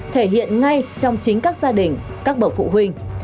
thể hiện ngay trong chính các gia đình các bậc phụ huynh